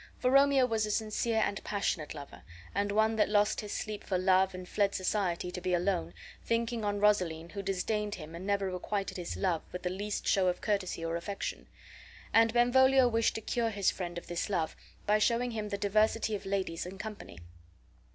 For Romeo was a sincere and passionate lover, and one that lost his sleep for love and fled society to be alone, thinking on Rosaline, who disdained him and never requited his love with the least show of courtesy or affection; and Benvolio wished to cure his friend of this love by showing him diversity of ladies and company.